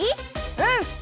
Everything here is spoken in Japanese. うん！